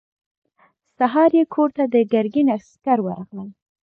سهار يې کور ته د ګرګين عسکر ورغلل.